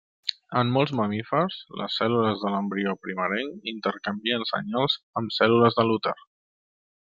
En molts mamífers, les cèl·lules de l'embrió primerenc intercanvien senyals amb cèl·lules de l'úter.